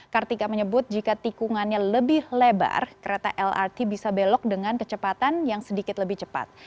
kartika menyebut jika tikungannya lebih lebar kereta lrt bisa belok dengan kecepatan yang sedikit lebih cepat